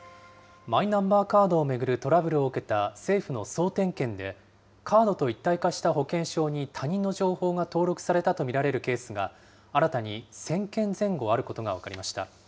マイナンバーカードを巡るトラブルを受けた政府の総点検で、カードと一体化した保険証に他人の情報が登録されたと見られるケースが、新たに１０００件前後あることが分かりました。